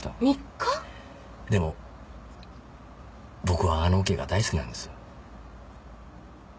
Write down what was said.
でも僕はあのオケが大好きなんです。